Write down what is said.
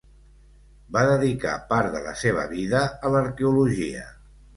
Va dedicar part de la seva vida a l'arqueologia.